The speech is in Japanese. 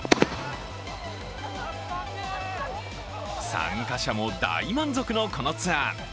参加者も大満足のこのツアー。